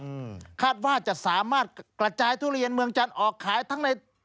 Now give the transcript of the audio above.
อืมคาดว่าจะสามารถกระจายทุเรียนเมืองจันทร์ออกขายทั้งใน